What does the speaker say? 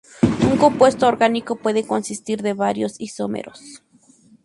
Un compuesto orgánico puede consistir de varios isómeros.